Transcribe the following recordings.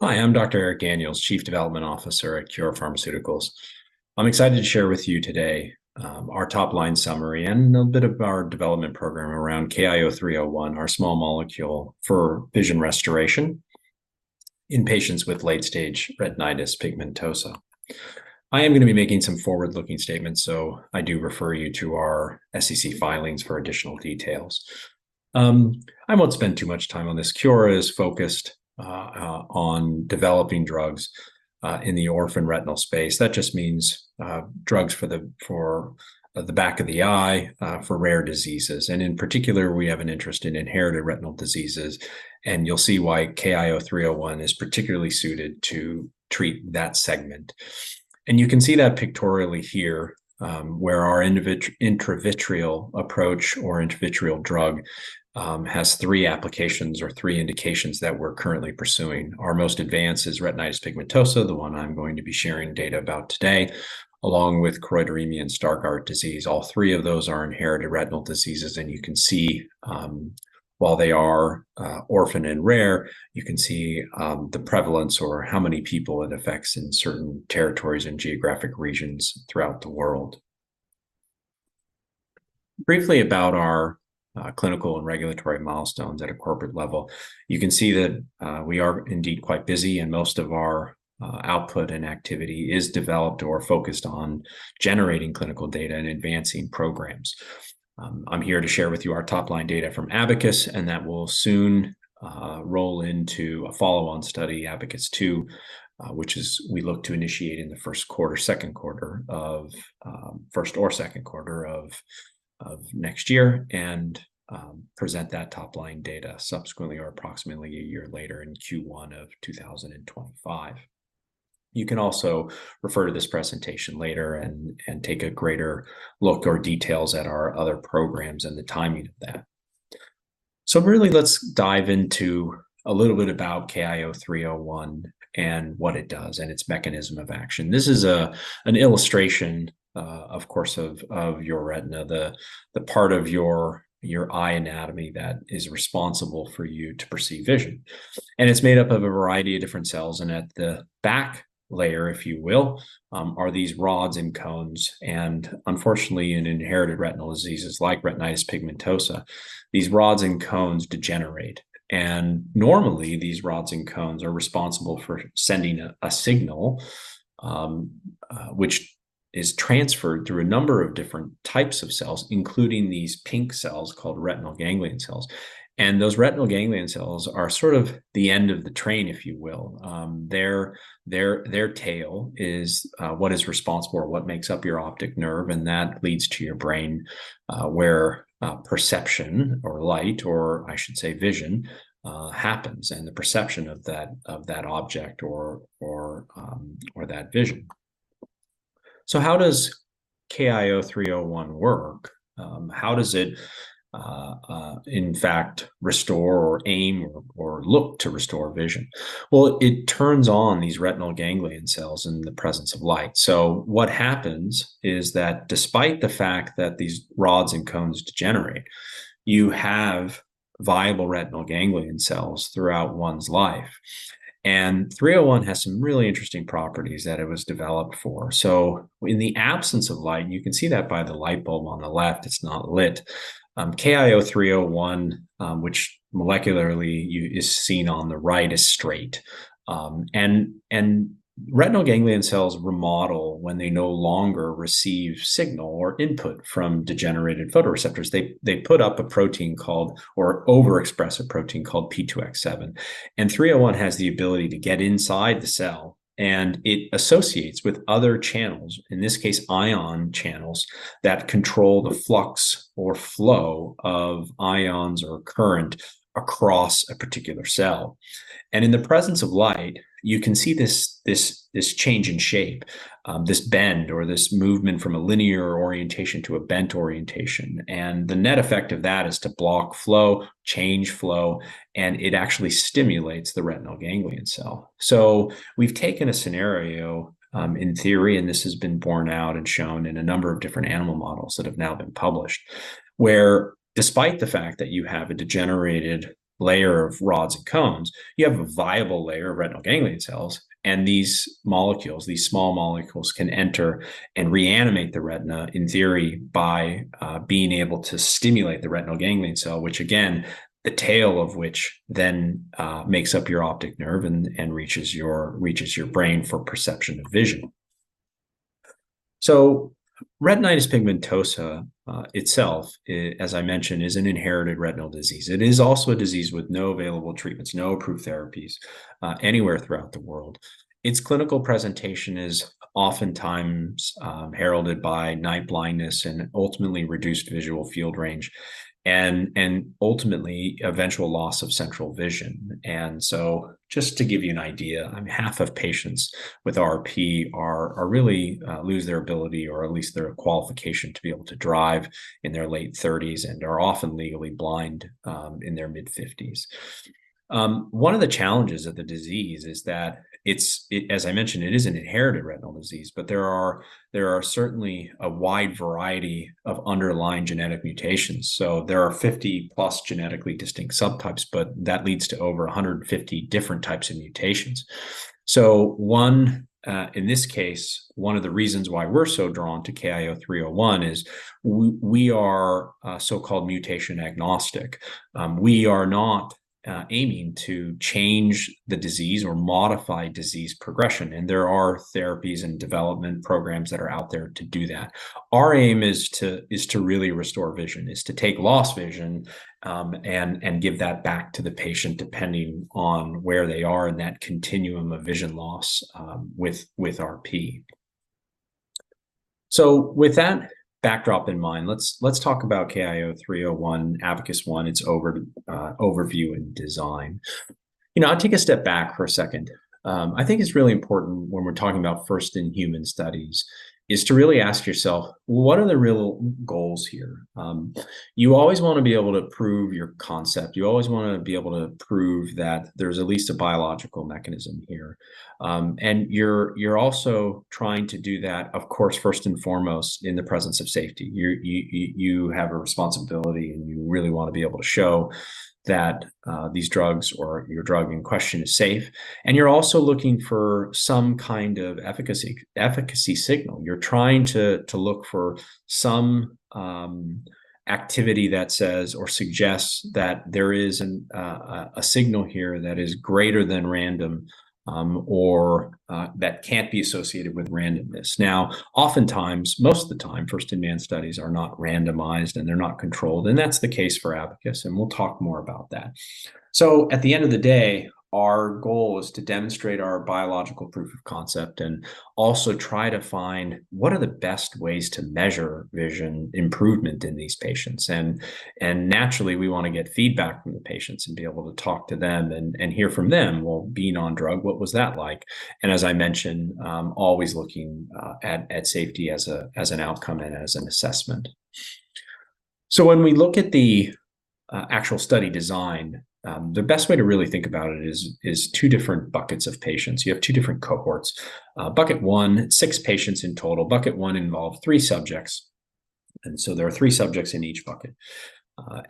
Hi, I'm Dr. Eric Daniels, Chief Development Officer at Kiora Pharmaceuticals. I'm excited to share with you today our top-line summary and a bit of our development program around KIO-301, our small molecule for vision restoration in patients with late-stage retinitis pigmentosa. I am going to be making some forward-looking statements, so I do refer you to our SEC filings for additional details. I won't spend too much time on this. Kiora is focused on developing drugs in the orphan retinal space. That just means drugs for the back of the eye for rare diseases. And in particular, we have an interest in inherited retinal diseases, and you'll see why KIO-301 is particularly suited to treat that segment. You can see that pictorially here, where our intravitreal approach or intravitreal drug has three applications or three indications that we're currently pursuing. Our most advanced is retinitis pigmentosa, the one I'm going to be sharing data about today, along with choroideremia and Stargardt disease. All three of those are inherited retinal diseases, and you can see, while they are orphan and rare, you can see the prevalence or how many people it affects in certain territories and geographic regions throughout the world. Briefly about our clinical and regulatory milestones at a corporate level. You can see that we are indeed quite busy, and most of our output and activity is developed or focused on generating clinical data and advancing programs. I'm here to share with you our top-line data from ABACUS, and that will soon roll into a follow-on study, ABACUS-2, which we look to initiate in the first or second quarter of next year, and present that top-line data subsequently or approximately a year later in Q1 of 2025. You can also refer to this presentation later and take a greater look or details at our other programs and the timing of that. So really, let's dive into a little bit about KIO-301 and what it does and its mechanism of action. This is an illustration, of course, of your retina, the part of your eye anatomy that is responsible for you to perceive vision. It's made up of a variety of different cells, and at the back layer, if you will, are these rods and cones. Unfortunately, in inherited retinal diseases like Retinitis Pigmentosa, these rods and cones degenerate, and normally these rods and cones are responsible for sending a signal, which is transferred through a number of different types of cells, including these pink cells called Retinal Ganglion Cells. Those Retinal Ganglion Cells are sort of the end of the train, if you will. Their tail is what is responsible or what makes up your optic nerve, and that leads to your brain, where perception of light, or I should say vision, happens, and the perception of that object or that vision. How does KIO-301 work? How does it, in fact, restore or aim or look to restore vision? Well, it turns on these retinal ganglion cells in the presence of light. So what happens is that despite the fact that these rods and cones degenerate, you have viable retinal ganglion cells throughout one's life. And 301 has some really interesting properties that it was developed for. So in the absence of light, you can see that by the light bulb on the left, it's not lit. KIO-301, which molecularly is seen on the right, is straight. And retinal ganglion cells remodel when they no longer receive signal or input from degenerated photoreceptors. They put up a protein called, or overexpress a protein called P2X7. 301 has the ability to get inside the cell, and it associates with other channels, in this case, ion channels, that control the flux or flow of ions or current across a particular cell. And in the presence of light, you can see this change in shape, this bend or this movement from a linear orientation to a bent orientation. And the net effect of that is to block flow, change flow, and it actually stimulates the retinal ganglion cell. So we've taken a scenario, in theory, and this has been borne out and shown in a number of different animal models that have now been published, where despite the fact that you have a degenerated layer of rods and cones, you have a viable layer of retinal ganglion cells, and these molecules, these small molecules, can enter and reanimate the retina, in theory, by being able to stimulate the retinal ganglion cell, which again, the tail of which then makes up your optic nerve and reaches your brain for perception of vision. So Retinitis Pigmentosa itself, as I mentioned, is an inherited retinal disease. It is also a disease with no available treatments, no approved therapies, anywhere throughout the world. Its clinical presentation is oftentimes heralded by night blindness and ultimately reduced visual field range and ultimately eventual loss of central vision. So just to give you an idea, half of patients with RP really lose their ability or at least their qualification to be able to drive in their late thirties and are often legally blind in their mid-fifties. One of the challenges of the disease is that it's. As I mentioned, it is an inherited retinal disease, but there are certainly a wide variety of underlying genetic mutations. So there are 50-plus genetically distinct subtypes, but that leads to over 150 different types of mutations. So in this case, one of the reasons why we're so drawn to KIO-301 is we are so-called mutation agnostic. We are not aiming to change the disease or modify disease progression, and there are therapies and development programs that are out there to do that. Our aim is to really restore vision, to take lost vision, and give that back to the patient, depending on where they are in that continuum of vision loss, with RP. So with that backdrop in mind, let's talk about KIO-301 ABACUS-1, its overview and design. You know, I'll take a step back for a second. I think it's really important when we're talking about first-in-human studies, to really ask yourself: What are the real goals here? You always want to be able to prove your concept. You always want to be able to prove that there's at least a biological mechanism here. And you're also trying to do that, of course, first and foremost, in the presence of safety. You have a responsibility, and you really want to be able to show that these drugs or your drug in question is safe, and you're also looking for some kind of efficacy signal. You're trying to look for some activity that says or suggests that there is a signal here that is greater than random, or that can't be associated with randomness. Now, oftentimes, most of the time, first-in-man studies are not randomized, and they're not controlled, and that's the case for ABACUS, and we'll talk more about that. So at the end of the day, our goal is to demonstrate our biological proof of concept and also try to find what are the best ways to measure vision improvement in these patients. And naturally, we want to get feedback from the patients and be able to talk to them and hear from them, "Well, being on drug, what was that like?" And as I mentioned, always looking at safety as an outcome and as an assessment. So when we look at the actual study design, the best way to really think about it is two different buckets of patients. You have two different cohorts. Bucket one, six patients in total. Bucket one involved three subjects, and so there are three subjects in each bucket.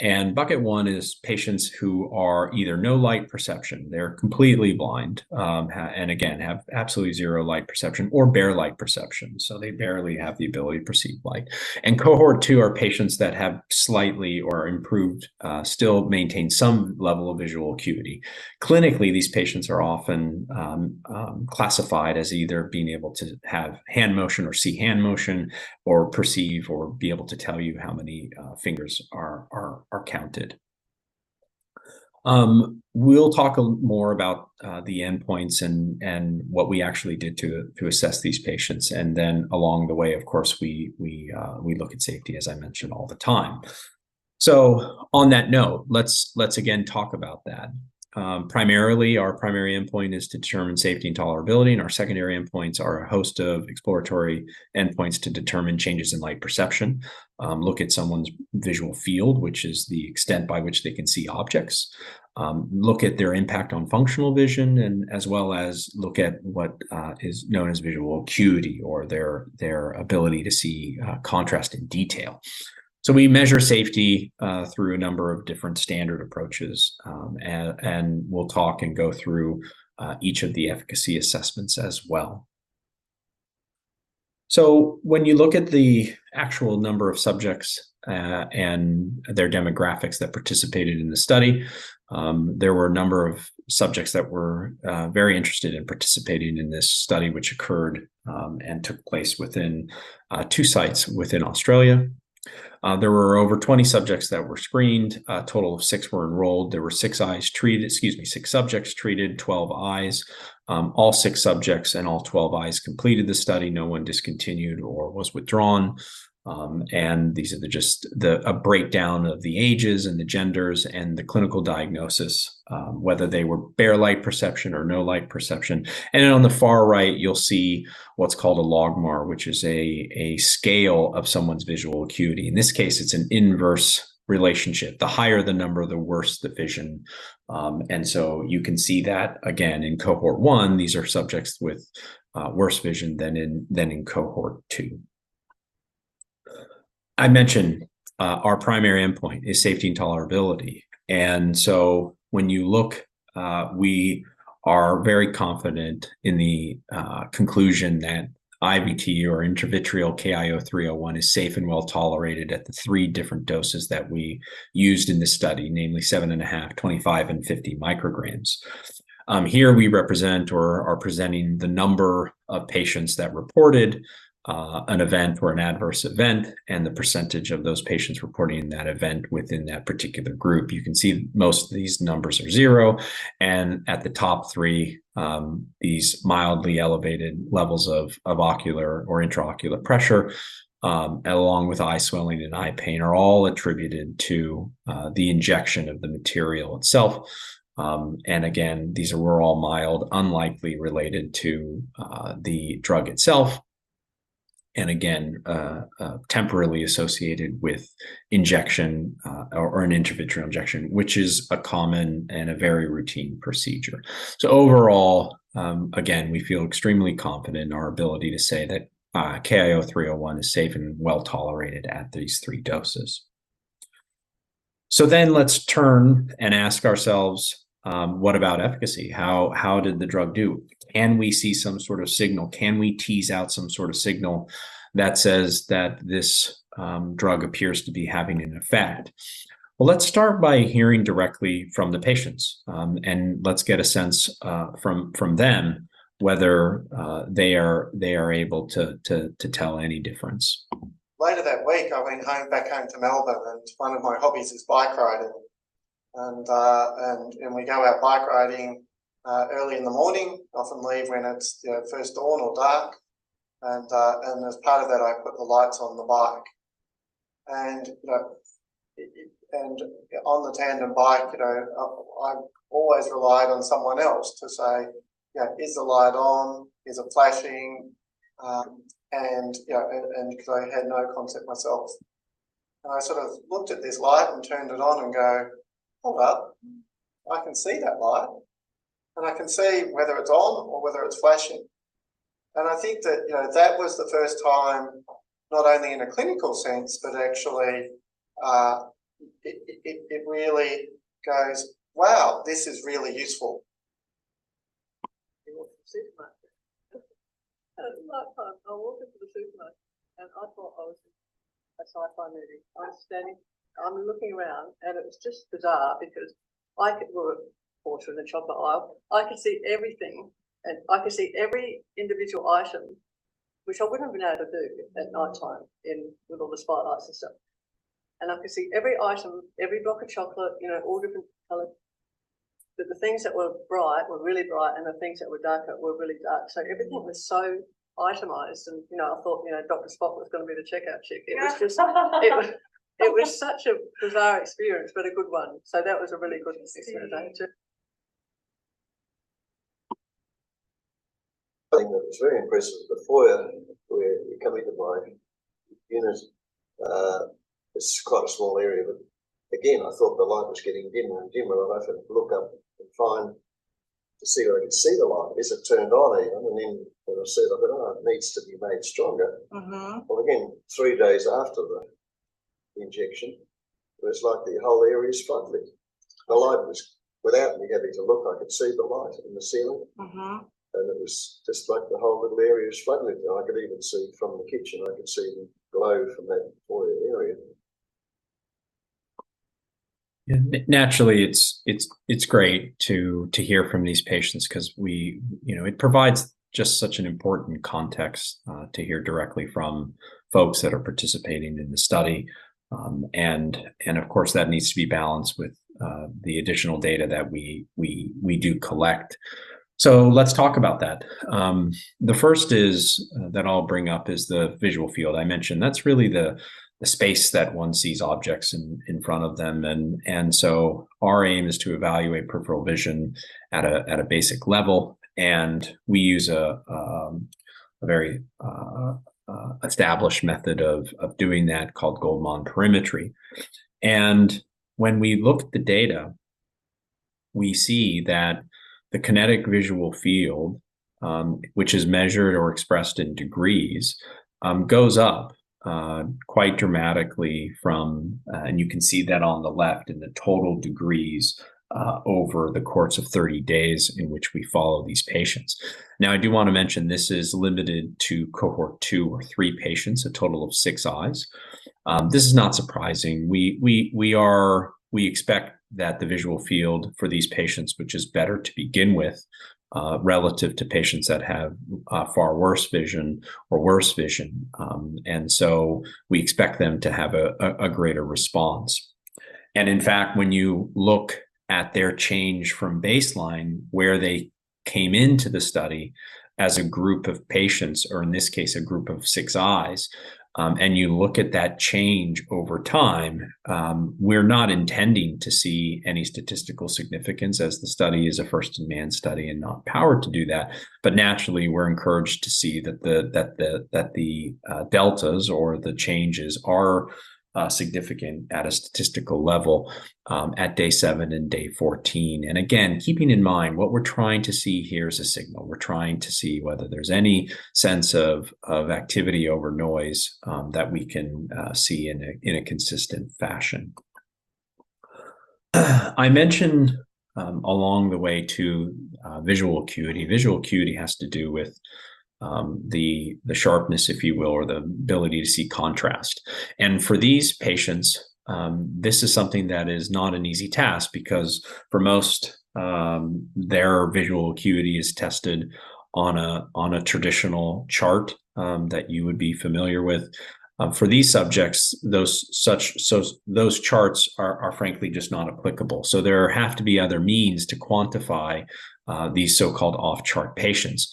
And bucket one is patients who are either no light perception, they're completely blind, and again, have absolutely zero light perception or bare light perception, so they barely have the ability to perceive light. And cohort 2 are patients that have slightly improved, still maintain some level of visual acuity. Clinically, these patients are often classified as either being able to have hand motion or see hand motion, or perceive, or be able to tell you how many fingers are counted. We'll talk a little more about the endpoints and what we actually did to assess these patients. And then along the way, of course, we look at safety, as I mentioned, all the time. So on that note, let's again talk about that. Primarily, our primary endpoint is to determine safety and tolerability, and our secondary endpoints are a host of exploratory endpoints to determine changes in light perception, look at someone's visual field, which is the extent by which they can see objects, look at their impact on functional vision, and as well as look at what is known as visual acuity or their ability to see contrast and detail. So we measure safety through a number of different standard approaches, and we'll talk and go through each of the efficacy assessments as well. So when you look at the actual number of subjects and their demographics that participated in the study, there were a number of subjects that were very interested in participating in this study, which occurred and took place within two sites within Australia. There were over 20 subjects that were screened. A total of six were enrolled. There were six eyes treated, excuse me, six subjects treated, 12 eyes. All six subjects and all 12 eyes completed the study. No one discontinued or was withdrawn. And these are just a breakdown of the ages and the genders and the clinical diagnosis, whether they were bare light perception or no light perception. On the far right, you'll see what's called a LogMAR, which is a scale of someone's visual acuity. In this case, it's an inverse relationship. The higher the number, the worse the vision. And so you can see that again in cohort 1, these are subjects with worse vision than in cohort 2. I mentioned our primary endpoint is safety and tolerability. And so when you look, we are very confident in the conclusion that IVT or intravitreal KIO-301 is safe and well tolerated at the three different doses that we used in this study, namely 7.5, 25, and 50 micrograms. Here we represent or are presenting the number of patients that reported an event or an adverse event, and the percentage of those patients reporting that event within that particular group. You can see most of these numbers are zero, and at the top three, these mildly elevated levels of ocular or intraocular pressure, along with eye swelling and eye pain, are all attributed to the injection of the material itself. And again, these were all mild, unlikely related to the drug itself, and again, temporarily associated with injection or an intravitreal injection, which is a common and a very routine procedure. So overall, again, we feel extremely confident in our ability to say that KIO-301 is safe and well tolerated at these three doses. So then let's turn and ask ourselves, what about efficacy? How did the drug do? Can we see some sort of signal? Can we tease out some sort of signal that says that this drug appears to be having an effect? Well, let's start by hearing directly from the patients, and let's get a sense from them whether they are able to tell any difference. Later that week, I went home, back home to Melbourne, and one of my hobbies is bike riding. And we go out bike riding early in the morning. Often leave when it's, you know, first dawn or dark. And as part of that, I put the lights on the bike. And, you know, and on the tandem bike, you know, I've always relied on someone else to say, "Yeah, is the light on? Is it flashing?" And because I had no concept myself. I sort of looked at this light and turned it on and go, "Hold up, I can see that light, and I can see whether it's on or whether it's flashing." And I think that, you know, that was the first time, not only in a clinical sense, but actually, it really goes, "wow, this is really useful. You walk to the supermarket. At nighttime, I'm walking to the supermarket, and I thought I was in a sci-fi movie. I'm standing I'm looking around, and it was just bizarre because I could... We were walking through the chocolate aisle. I could see everything, and I could see every individual item, which I wouldn't have been able to do at nighttime in with all the spotlights and stuff. And I could see every item, every block of chocolate, you know, all different colors. But the things that were bright were really bright, and the things that were darker were really dark. So everything was so itemized, and, you know, I thought, you know, Dr. Spock was going to be the checkout chick. It was just it was, it was such a bizarre experience, but a good one. So that was a really good experience, too. Something that was very impressive, the foyer where you come into my unit, it's quite a small area, but again, I thought the light was getting dimmer and dimmer. I'd often look up and try and to see whether I could see the light. Is it turned on even? Then when I saw it, I thought, "Oh, it needs to be made stronger. Well, again, three days after the injection, it was like the whole area is flooded. The light was without me having to look, I could see the light in the ceiling. It was just like the whole little area is flooded. I could even see from the kitchen, I could see the glow from that foyer area. Naturally, it's great to hear from these patients 'cause we. You know, it provides just such an important context to hear directly from folks that are participating in the study. And of course, that needs to be balanced with the additional data that we do collect. Let's talk about that. The first that I'll bring up is the visual field I mentioned. That's really the space that one sees objects in front of them. So our aim is to evaluate peripheral vision at a basic level, and we use a very established method of doing that called Goldmann perimetry. When we look at the data, we see that the kinetic visual field, which is measured or expressed in degrees, goes up quite dramatically from and you can see that on the left in the total degrees over the course of 30 days in which we follow these patients. Now, I do want to mention this is limited to Cohort 2 or 3 patients, a total of six eyes. This is not surprising. We expect that the visual field for these patients, which is better to begin with, relative to patients that have far worse vision or worse vision. And so we expect them to have a greater response. And in fact, when you look at their change from baseline, where they came into the study as a group of patients, or in this case, a group of six eyes, and you look at that change over time, we're not intending to see any statistical significance as the study is a first-in-man study and not powered to do that. But naturally, we're encouraged to see that the deltas or the changes are significant at a statistical level at day 7 and day 14. And again, keeping in mind, what we're trying to see here is a signal. We're trying to see whether there's any sense of activity over noise that we can see in a consistent fashion. I mentioned along the way to visual acuity. Visual acuity has to do with the sharpness, if you will, or the ability to see contrast. For these patients, this is something that is not an easy task because for most, their visual acuity is tested on a traditional chart that you would be familiar with. For these subjects, those charts are frankly just not applicable. There have to be other means to quantify these so-called off-chart patients.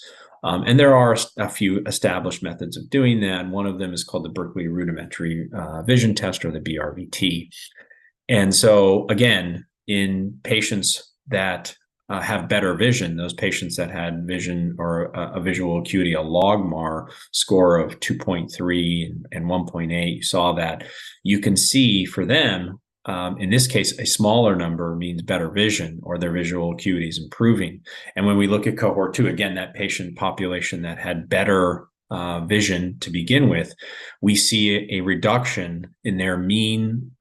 There are a few established methods of doing that, and one of them is called the Berkeley Rudimentary Vision Test, or the BRVT. So again, in patients that have better vision, those patients that had vision or a visual acuity, a LogMAR score of 2.3 and 1.8, you saw that. You can see for them, in this case, a smaller number means better vision or their visual acuity is improving. And when we look at Cohort 2, again, that patient population that had better vision to begin with, we see a reduction in their mean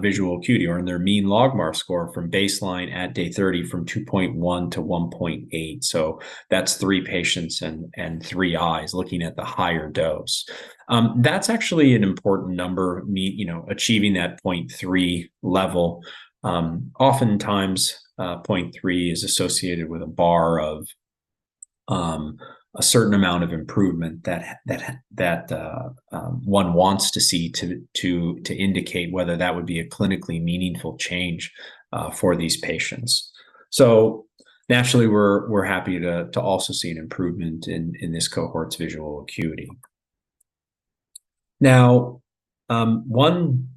visual acuity or in their mean LogMAR score from baseline at day 30, from 2.1 to 1.8. So that's three patients and three eyes looking at the higher dose. That's actually an important number, you know, achieving that 0.3 level. Oftentimes, 0.3 is associated with a bar of a certain amount of improvement that one wants to see to indicate whether that would be a clinically meaningful change, for these patients. So naturally, we're happy to also see an improvement in this cohort's visual acuity. Now, one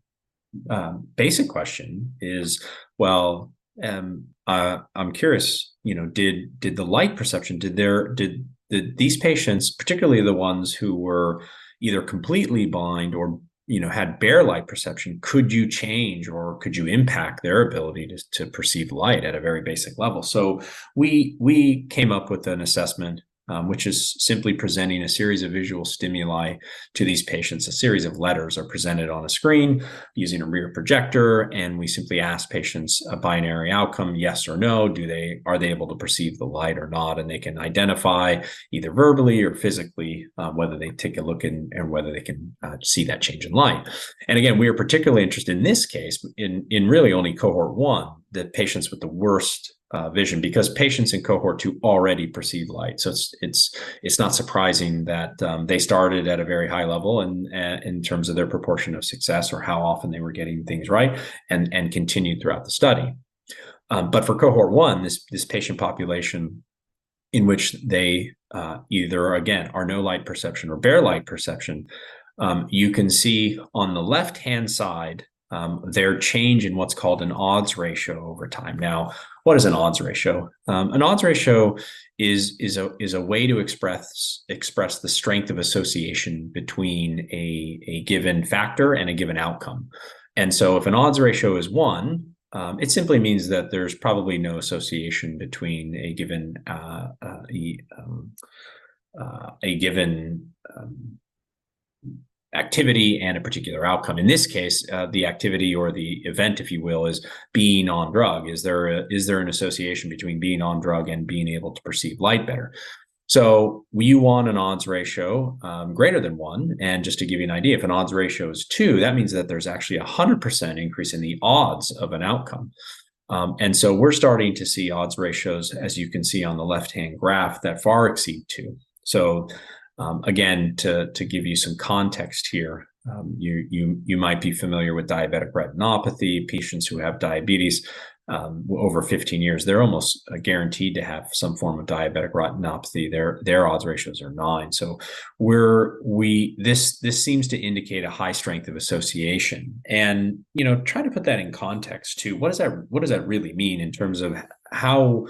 basic question is, well, I'm curious, you know, did the light perception did there did these patients, particularly the ones who were either completely blind or, you know, had bare light perception, could you change, or could you impact their ability to perceive light at a very basic level? So we came up with an assessment, which is simply presenting a series of visual stimuli to these patients. A series of letters are presented on a screen using a rear projector, and we simply ask patients a binary outcome, yes or no, are they able to perceive the light or not? They can identify, either verbally or physically, whether they take a look and whether they can see that change in light. Again, we are particularly interested in this case in really only cohort 1, the patients with the worst vision, because patients in cohort 2 already perceive light. So it's not surprising that they started at a very high level in terms of their proportion of success or how often they were getting things right and continued throughout the study. But for cohort 1, this patient population in which they either, again, are no light perception or bare light perception, you can see on the left-hand side their change in what's called an odds ratio over time. Now, what is an odds ratio? An odds ratio is a way to express the strength of association between a given factor and a given outcome. And so if an odds ratio is one, it simply means that there's probably no association between a given activity and a particular outcome. In this case, the activity or the event, if you will, is being on drug. Is there an association between being on drug and being able to perceive light better? So we want an odds ratio greater than one. And just to give you an idea, if an odds ratio is two, that means that there's actually a 100% increase in the odds of an outcome. So we're starting to see odds ratios, as you can see on the left-hand graph, that far exceed two. So, again, to give you some context here, you might be familiar with diabetic retinopathy. Patients who have diabetes, over 15 years, they're almost guaranteed to have some form of diabetic retinopathy. Their odds ratios are nine. This seems to indicate a high strength of association. You know, try to put that in context, too. What does that really mean in terms of how,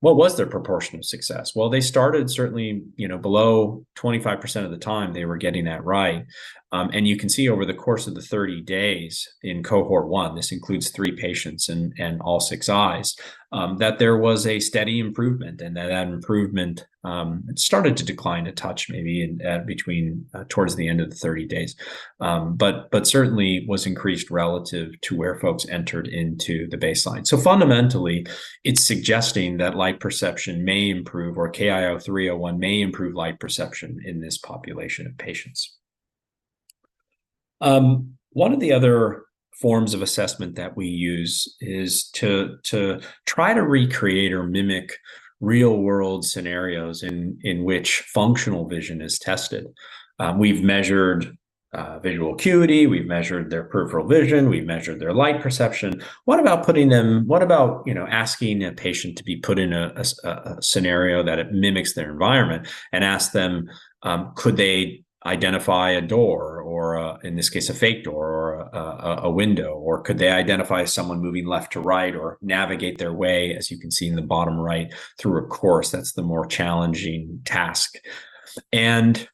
what was their proportion of success? Well, they started certainly, you know, below 25% of the time, they were getting that right. And you can see over the course of the 30 days in cohort 1, this includes 3 patients and all six eyes, that there was a steady improvement, and that improvement, it started to decline a touch, maybe in between towards the end of the 30 days, but certainly was increased relative to where folks entered into the baseline. So fundamentally, it's suggesting that light perception may improve, or KIO-301 may improve light perception in this population of patients. One of the other forms of assessment that we use is to try to recreate or mimic real-world scenarios in which functional vision is tested. We've measured visual acuity, we've measured their peripheral vision, we've measured their light perception. What about, you know, asking a patient to be put in a scenario that it mimics their environment and ask them, could they identify a door or, in this case, a fake door or a window? Or could they identify someone moving left to right or navigate their way, as you can see in the bottom right, through a course? That's the more challenging task. And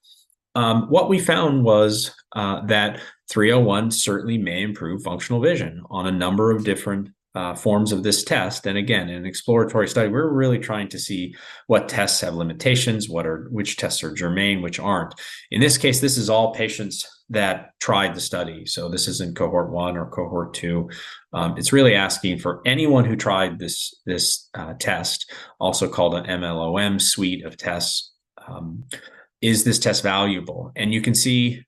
what we found was that 301 certainly may improve functional vision on a number of different forms of this test. And again, in an exploratory study, we're really trying to see what tests have limitations, which tests are germane, which aren't. In this case, this is all patients that tried the study, so this isn't cohort 1 or cohort 2. It's really asking for anyone who tried this test, also called an MLOM suite of tests, is this test valuable? And you can see,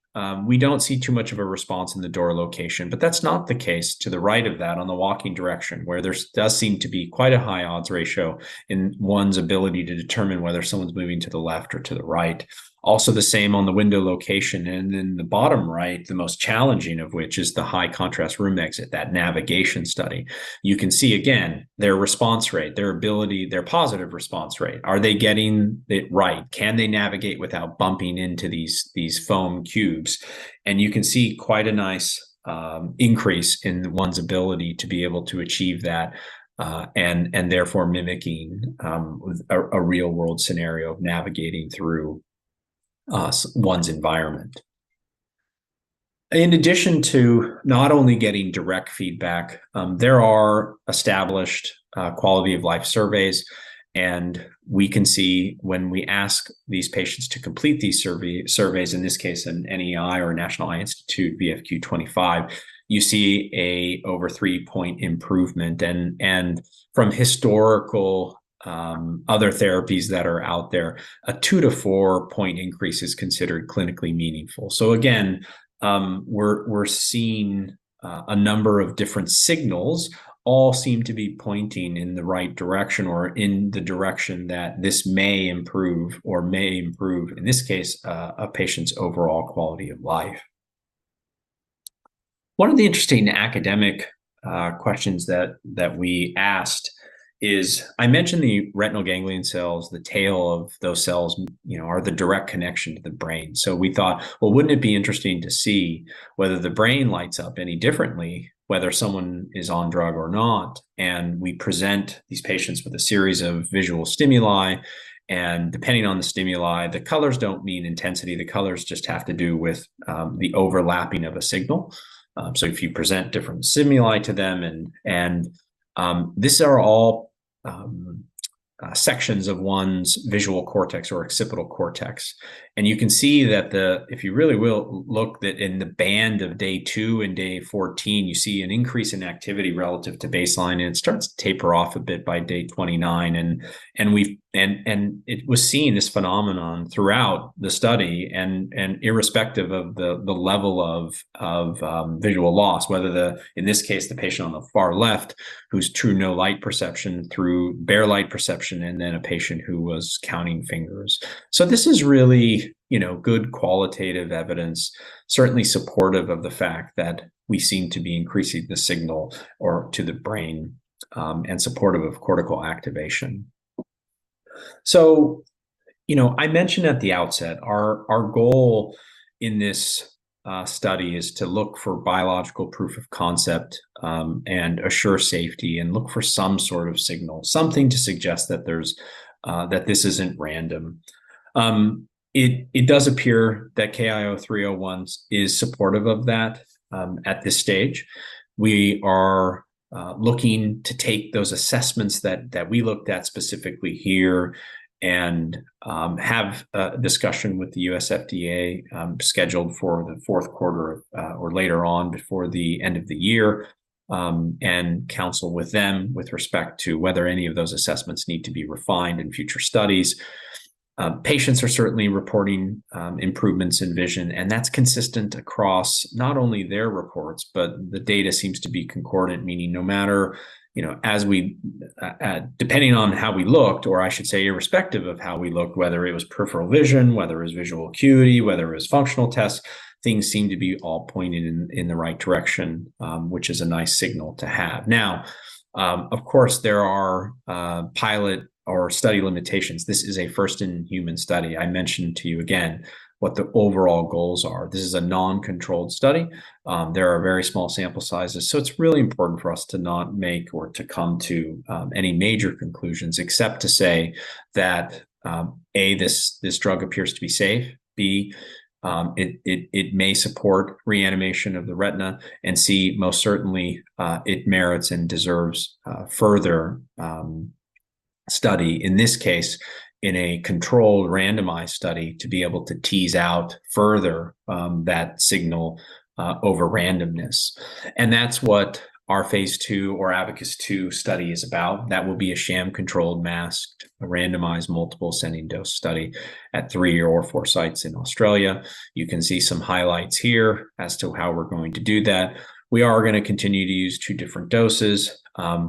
we don't see too much of a response in the door location, but that's not the case to the right of that on the walking direction, where there's does seem to be quite a high odds ratio in one's ability to determine whether someone's moving to the left or to the right. Also, the same on the window location, and in the bottom right, the most challenging of which is the high-contrast room exit, that navigation study. You can see, again, their response rate, their ability, their positive response rate. Are they getting it right? Can they navigate without bumping into these foam cubes? You can see quite a nice increase in one's ability to be able to achieve that, and therefore mimicking a real-world scenario of navigating through one's environment. In addition to not only getting direct feedback, there are established quality-of-life surveys, and we can see when we ask these patients to complete these surveys, in this case, an NEI or National Eye Institute VFQ-25, you see an over three point improvement. From historical other therapies that are out there, a two to four point increase is considered clinically meaningful. So again, we're seeing a number of different signals, all seem to be pointing in the right direction or in the direction that this may improve or may improve, in this case, a patient's overall quality of life. One of the interesting academic questions that we asked is, I mentioned the retinal ganglion cells, the tail of those cells, you know, are the direct connection to the brain. So we thought, well, wouldn't it be interesting to see whether the brain lights up any differently, whether someone is on drug or not? And we present these patients with a series of visual stimuli, and depending on the stimuli, the colors don't mean intensity, the colors just have to do with the overlapping of a signal. So if you present different stimuli to them, and these are all sections of one's visual cortex or occipital cortex. And you can see that if you really will look that in the band of day two and day 14, you see an increase in activity relative to baseline, and it starts to taper off a bit by day 29. And we've seen this phenomenon throughout the study and irrespective of the level of visual loss, whether the in this case, the patient on the far left, whose true no light perception through bare light perception, and then a patient who was counting fingers. So this is really, you know, good qualitative evidence, certainly supportive of the fact that we seem to be increasing the signal or to the brain and supportive of cortical activation. So, you know, I mentioned at the outset, our goal in this study is to look for biological proof of concept, and assure safety, and look for some sort of signal, something to suggest that there's that this isn't random. It does appear that KIO-301 is supportive of that, at this stage. We are looking to take those assessments that we looked at specifically here and have a discussion with the U.S. FDA, scheduled for the fourth quarter, or later on before the end of the year, and counsel with them with respect to whether any of those assessments need to be refined in future studies. Patients are certainly reporting improvements in vision, and that's consistent across not only their reports, but the data seems to be concordant, meaning no matter, you know, as we depending on how we looked, or I should say, irrespective of how we look, whether it was peripheral vision, whether it was visual acuity, whether it was functional tests, things seem to be all pointed in the right direction, which is a nice signal to have. Now, of course, there are pilot or study limitations. This is a first-in-human study. I mentioned to you again what the overall goals are. This is a non-controlled study. There are very small sample sizes, so it's really important for us to not make or to come to any major conclusions, except to say that A, this drug appears to be safe, B, it may support reanimation of the retina, and C, most certainly, it merits and deserves further study, in this case, in a controlled randomized study, to be able to tease out further that signal over randomness. And that's what our phase II ABACUS-2 study is about. That will be a sham-controlled, masked, randomized, multiple-ascending dose study at three or four sites in Australia. You can see some highlights here as to how we're going to do that. We are going to continue to use two different doses.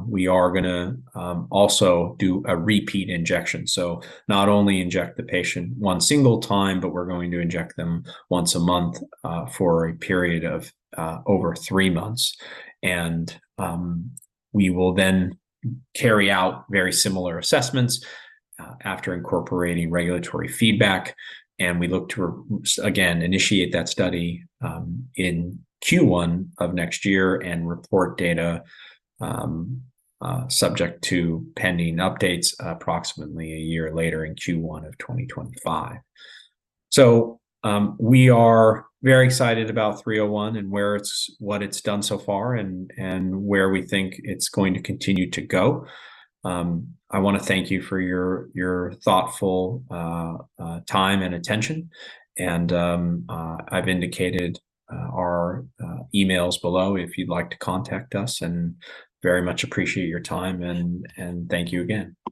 We are going to also do a repeat injection. So not only inject the patient one single time, but we're going to inject them once a month for a period of over three months. And we will then carry out very similar assessments after incorporating regulatory feedback, and we look to again initiate that study in Q1 of next year and report data, subject to pending updates, approximately a year later in Q1 of 2025. So we are very excited about 301 and where it's what it's done so far and where we think it's going to continue to go. I want to thank you for your thoughtful time and attention, and I've indicated our emails below if you'd like to contact us, and very much appreciate your time and thank you again.